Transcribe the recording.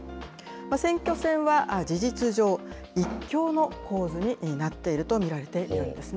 選挙戦は事実上、一強の構図になっていると見られているんですね。